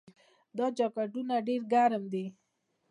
دا جاکټونه ډیر ګرم دي.